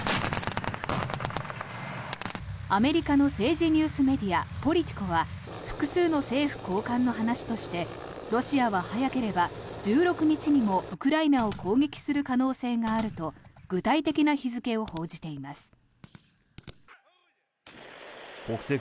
アメリカの政治ニュースメディアポリティコは複数の政府高官の話としてロシアは早ければ１６日にもウクライナを攻撃する可能性があると具体的な日付を報じています。